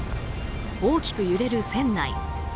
大きく揺れる船内。